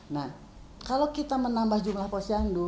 nah kalau kita menambah jumlah posyandu